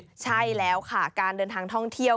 ถูกต้องใช่แล้วค่ะการเดินทางท่องเทียว